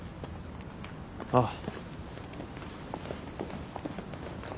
ああ。